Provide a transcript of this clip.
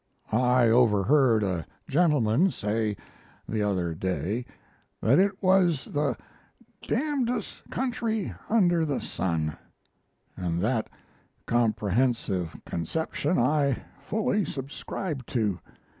I overheard a gentleman say, the other day, that it was "the d dest country under the sun," and that comprehensive conception I fully subscribe to.